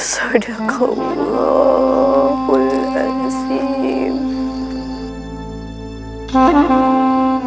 sadaka allahul anzim